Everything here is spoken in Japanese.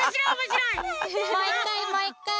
もう１かいもう１かい。